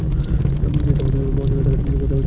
জিনিসটা মহাশূন্যে যেখানে থাকার কথা সেখানে রেখে আসা যাক।